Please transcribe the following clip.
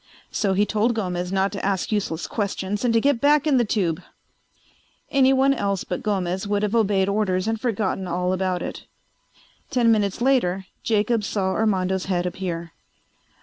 So he told Gomez not to ask useless questions and to get back in the tube. Anyone else but Gomez would have obeyed orders and forgotten all about it. Ten minutes later Jacobs saw Armando's head appear.